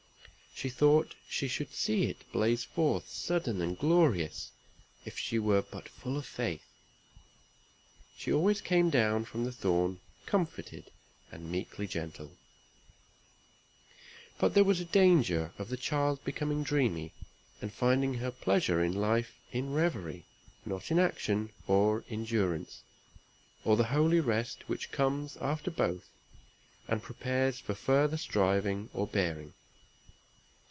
She thought she should see it blaze forth sudden and glorious, if she were but full of faith. She always came down from the thorn, comforted, and meekly gentle. But there was danger of the child becoming dreamy, and finding her pleasure in life in reverie, not in action, or endurance, or the holy rest which comes after both, and prepares for further striving or bearing.